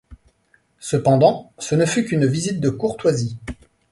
Cependant, ce ne fut qu'une visite de courtoisie.